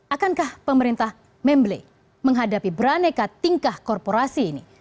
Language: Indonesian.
akankah pemerintah memble menghadapi beraneka tingkah korporasi ini